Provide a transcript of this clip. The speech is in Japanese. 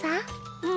うん。